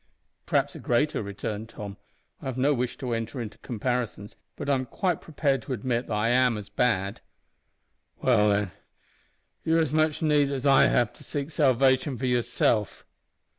"Perhaps a greater," returned Tom. "I have no wish to enter into comparisons, but I'm quite prepared to admit that I am as bad." "Well, then, you've as much need as I have to seek salvation for yourself."